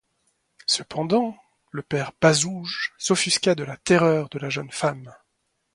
Cependant, le père Bazouge s'offusquait de la terreur de la jeune femme.